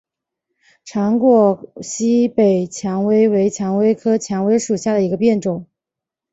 长果西北蔷薇为蔷薇科蔷薇属下的一个变种。